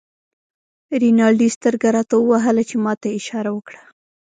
رینالډي سترګه راته ووهله چې ما ته یې اشاره وکړه.